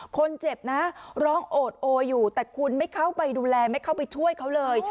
คนเจ็บนะร้องโอดโออยู่แต่คุณไม่เข้าไปดูแลไม่เข้าไปช่วยเขาเลย